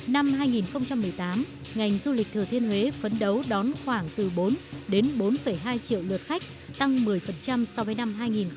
năm hai nghìn một mươi tám ngành du lịch thừa thiên huế phấn đấu đón khoảng từ bốn đến bốn hai triệu lượt khách tăng một mươi so với năm hai nghìn một mươi bảy